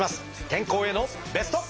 健康へのベスト。